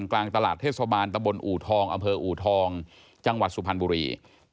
กลางตลาดเทศบาลตะบนอูทองอำเภออูทองจังหวัดสุพรรณบุรี